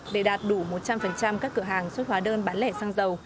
để đạt đủ một trăm linh các cửa hàng xuất hóa đơn bán lẻ xăng dầu